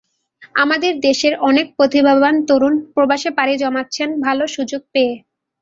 আমাদের দেশের অনেক প্রতিভাবান তরুণ প্রবাসে পাড়ি জমাচ্ছেন ভালো সুযোগ পেয়ে।